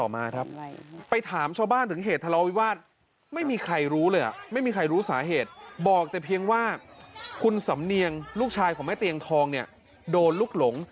แม่เตียงทองโดนลุกหลง